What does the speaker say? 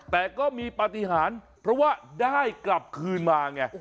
แต่ก็มีปฏิหารเพราะว่าได้กลับคืนมาไง